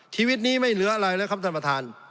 ชีวิตนี้ไม่เหลืออะไรแล้วครับท่านประธาน